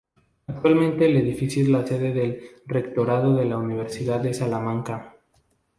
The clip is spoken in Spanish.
Actualmente el edificio es la sede del Rectorado de la Universidad de Salamanca.